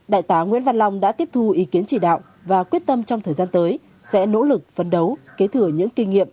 đại tá nguyễn văn long đã tiếp thu ý kiến chỉ đạo và quyết tâm trong thời gian tới sẽ nỗ lực phấn đấu kế thừa những kinh nghiệm